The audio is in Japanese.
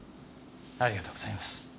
ありがとうございます。